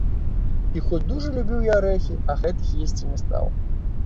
І хоць дужа любіў я арэхі, а гэтых есці не стаў.